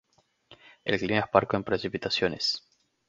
El clima es parco en precipitaciones.